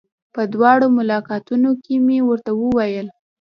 په دواړو ملاقاتونو کې مې ورته وويل.